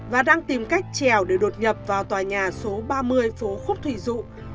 và đang tìm cách trèo để đột nhập vào tòa nhà số ba mươi phố khúc thủy dụ